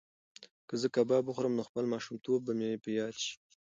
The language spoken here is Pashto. که زه کباب وخورم نو خپل ماشومتوب به مې په یاد شي.